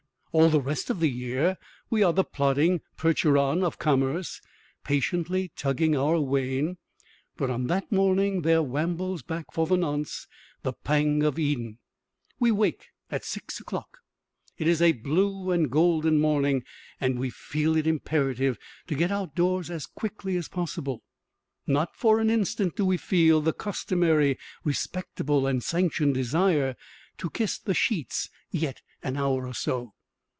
All the rest of the year we are the plodding percheron of commerce, patiently tugging our wain; but on that morning there wambles back, for the nonce, the pang of Eden. We wake at 6 o'clock; it is a blue and golden morning and we feel it imperative to get outdoors as quickly as possible. Not for an instant do we feel the customary respectable and sanctioned desire to kiss the sheets yet an hour or so.